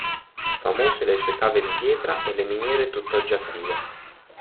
Famose le sue cave di pietra e le miniere tutt'oggi attive.